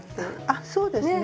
あっそうですね。